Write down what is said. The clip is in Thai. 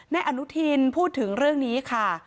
นายอนุทินพูดถึงเรื่องนี้ค่ะ